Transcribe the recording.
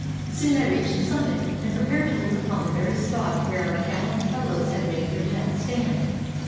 Soon I reached the summit, and prepared to look upon the very spot where our gallant fellows had made their death stand.